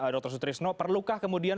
dokter sutrisno perlukah kemudian